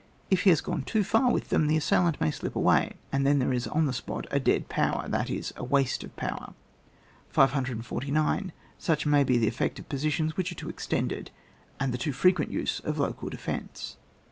If he has yone too far with them, the assailant may slip away, and then there is on the spot a dead power, that is, a tvaste of power, 549. Such may be the effect of posi tions which are too extended, and the too frequent use of local defence.